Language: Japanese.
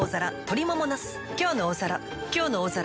「きょうの大皿」